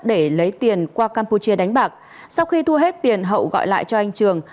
để lấy tiền qua campuchia đánh bạc sau khi thu hết tiền hậu gọi lại cho anh trường